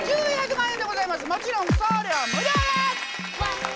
もちろん送料無料です！